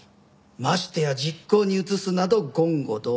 ましてや実行に移すなど言語道断。